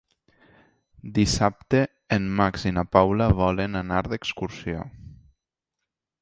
Dissabte en Max i na Paula volen anar d'excursió.